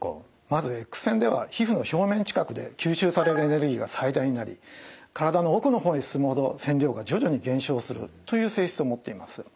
まずＸ線では皮膚の表面近くで吸収されるエネルギーが最大になり体の奥の方へ進むほど線量が徐々に減少するという性質を持っています。